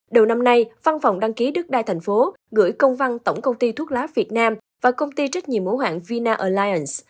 đầu năm nay văn phòng đăng ký đất đai thành phố gửi công văn tổng công ty thuốc lá việt nam và công ty trách nhiệm mẫu hạng vina alliance